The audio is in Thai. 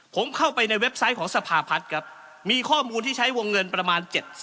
ผมเข้าไปในเว็บไซต์ของสภาพัฒน์ครับมีข้อมูลที่ใช้วงเงินประมาณ๗๐๐